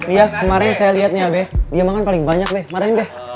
iya kemaren saya liat nih abe dia makan paling banyak be